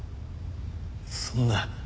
そんな。